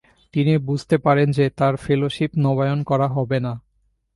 তিনি বুঝতে পারেন যে তার ফেলোশিপ নবায়ন করা হবে না।